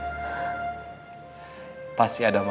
pasti ada maksud tertentu di dalamnya